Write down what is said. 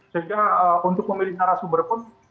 sehingga untuk memilih cara sumber pun